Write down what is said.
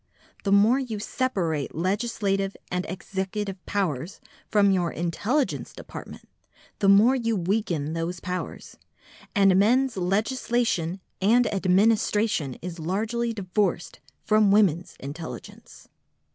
The more you separate your legislative and executive powers from your intelligence department the more you weaken those powers, and men's legislation and administration is largely divorced from women's intelligence.